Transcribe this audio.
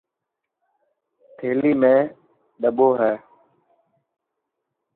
ٿيلي ۾ ڏٻو هي.